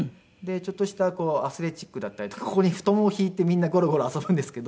ちょっとしたアスレチックだったりとかここに布団を敷いてみんなゴロゴロ遊ぶんですけど。